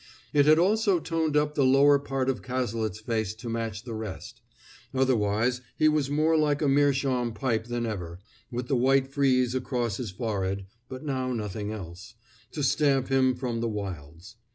It had also toned up the lower part of Cazalet's face to match the rest; otherwise he was more like a meerschaum pipe than ever, with the white frieze across his forehead (but now nothing else) to stamp him from the wilds.